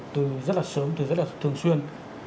từ rất là sớm từ rất là thường xuyên